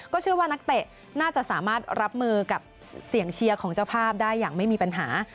เชื่อว่านักเตะน่าจะสามารถรับมือกับเสียงเชียร์ของเจ้าภาพได้อย่างไม่มีปัญหา